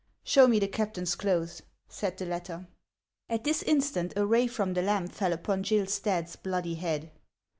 " Show me the captain's clothes," said the latter. At this instant a ray from the lamp fell upon Gill Stadt's bloody head.